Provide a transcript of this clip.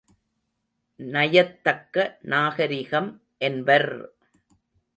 நயத்தக்க நாகரிகம் என்பர்!